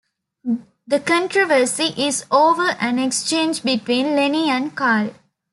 The controversy is over an exchange between Lenny and Carl.